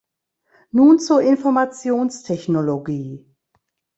Nun zur Informationstechnologie.